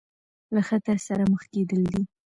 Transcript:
له خطر سره مخ کېدل دي.